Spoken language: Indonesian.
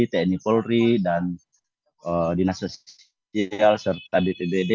tni polri dan dinas sosial serta bpbd